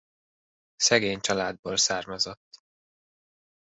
Szegény családból származott.